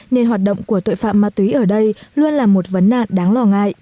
nên hoạt động của tội phạm ma túy ở đây luôn là một vấn nạn đáng lo ngại